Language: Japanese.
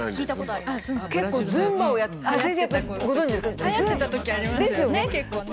はやってたときありますよね。